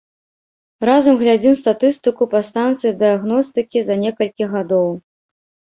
Разам глядзім статыстыку па станцыі дыягностыкі за некалькі гадоў.